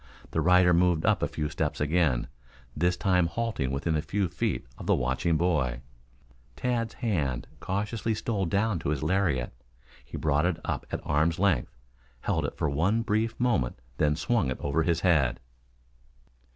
The rider moved up a few steps again, this time halting within a few feet of the watching boy. Tad's hand cautiously stole down to his lariat. He brought it up at arm's length, held it for one brief moment then swung it over his head.